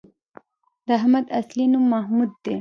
د احمد اصلی نوم محمود دی